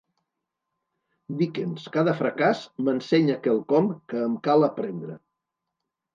Dickens: cada fracàs m'ensenya quelcom que em cal aprendre.